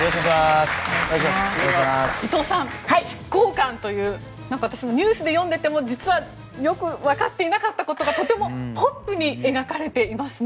伊藤さん、執行官という私もニュースで読んでいても実はよくわかっていなかったことがとてもポップに描かれていますね。